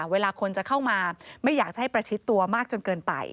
เวลาคนจะเข้ามาไม่อยากจะให้ประชิดตัวมากจนเกินไป